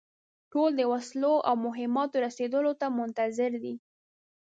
ټول د وسلو او مهماتو رسېدلو ته منتظر دي.